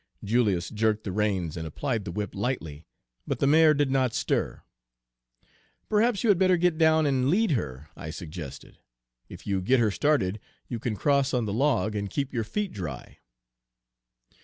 Julius jerked the reins and applied the whip lightly, but the mare did not stir. "Perhaps you had better get down and lead her," I suggested. "If you get her started, you can cross on the log and keep your feet dry."